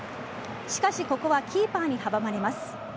しかしここはキーパーに阻まれます。